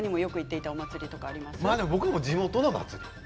僕は地元の祭り